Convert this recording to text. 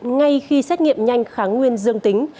ngay khi xét nghiệm nhanh kháng nguyên dương tính